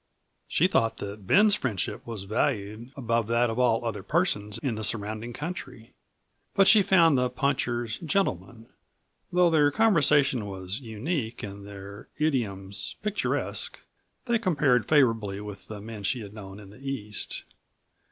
She thought that Ben's friendship was valued above that of all other persons in the surrounding country. But she found the punchers gentlemen. Though their conversation was unique and their idioms picturesque, they compared favorably with the men she had known in the East.